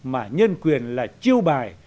mà nhân quyền là chiêu bài